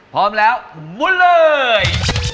พร้อมแล้วมุนเลย